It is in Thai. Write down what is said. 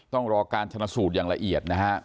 ต้องรอการชนะสูตรอย่างละเอียดนะฮะ